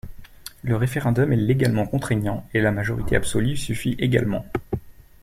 Le référendum est légalement contraignant, et la majorité absolue suffit également.